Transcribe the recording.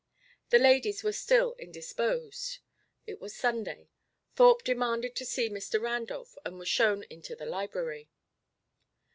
The ladies were still indisposed. It was Sunday. Thorpe demanded to see Mr. Randolph, and was shown into the library.